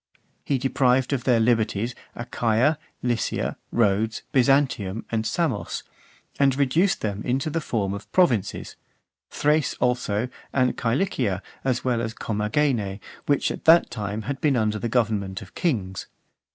He deprived of their liberties, Achaia, Lycia, Rhodes, Byzantium, and Samos; and reduced them into the form of provinces; Thrace, also, and Cilicia, as well as Comagene, which until that time had been under the government of kings.